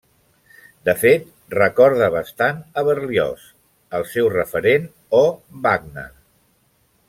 De fet, recorda bastant a Berlioz, el seu referent, o Wagner.